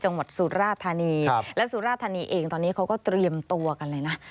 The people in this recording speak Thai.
สุราธานีและสุราธานีเองตอนนี้เขาก็เตรียมตัวกันเลยนะ